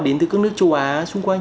đến từ các nước châu á xung quanh